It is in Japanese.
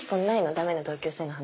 ダメな同級生の話。